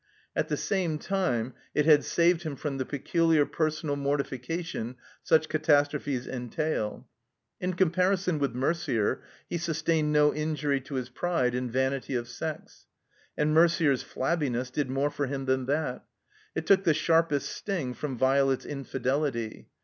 At the same time it had saved him from the peculiar personal mortification such catastrophes entail. In com parison with Merder he sustained no injury to his pride and vanity of sex. And Merder's flabbiness did more for him than that. It took the sharpest sting from Violet's infidelity.